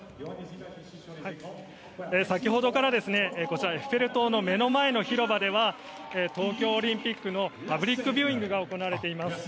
先程からこちらエッフェル塔の目の前の広場では東京オリンピックのパブリックビューイングが行われています。